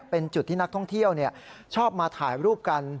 เป็นจุดที่นักท่องเที่ยวชอบมาถ่ายรูปกัน